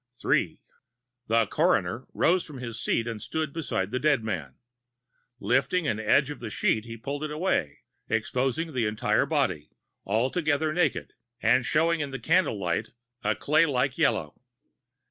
III The coroner rose from his seat and stood beside the dead man. Lifting an edge of the sheet he pulled it away, exposing the entire body, altogether naked and showing in the candle light a clay like yellow.